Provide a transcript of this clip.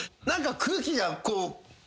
何か空気がこう。